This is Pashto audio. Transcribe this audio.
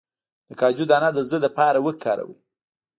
د کاجو دانه د زړه لپاره وکاروئ